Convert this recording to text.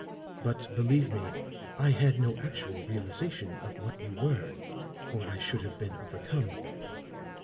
But, believe me, I had no actual realization of what you were, or I should have been overcome.